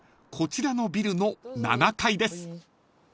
こちらのビルの７階です］